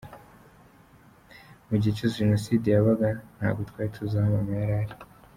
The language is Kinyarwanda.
Mu gihe cyose Jenoside yabaga, ntabwo twari tuzi aho mama yari ari.